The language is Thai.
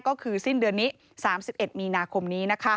ก็คือสิ้นเดือนนี้๓๑มีนาคมนี้